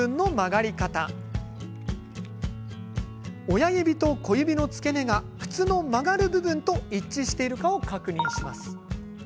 親指と小指の付け根が靴の曲がる部分と一致しているかを確認します。